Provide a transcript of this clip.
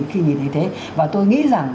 khi nhìn thấy thế và tôi nghĩ rằng